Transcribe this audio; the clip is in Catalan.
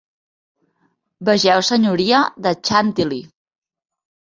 Vegeu senyoria de Chantilly.